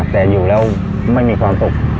แต่อยู่แล้วไม่มีความสุข